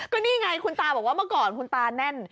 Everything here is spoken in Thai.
ก็นี่ไงคุณตาบอกว่าเมื่อก่อนคุณตาแน่น